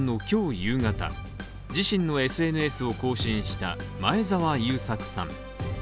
夕方、自身のＳＮＳを更新した前澤友作さん。